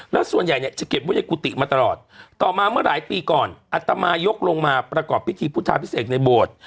แล้วส่วนใหญ่เนี่ยจะเก็บไว้ในกุฏิมาตลอดต่อมาเมื่อหลายปีก่อนอัตมายกลงมาประกอบพิธีพุทธาพิเศษในโบสถ์